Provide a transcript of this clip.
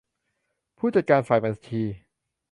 ผู้จัดการฝ่ายบัญชี